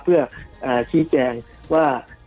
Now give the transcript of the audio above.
เพื่อชี้แจงว่า